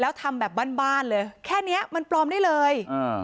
แล้วทำแบบบ้านบ้านเลยแค่เนี้ยมันปลอมได้เลย